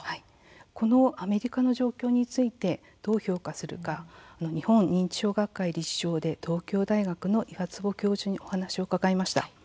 アメリカの状況についてどう評価するか日本認知症学会理事長で東京大学の岩坪教授にお話を伺いました。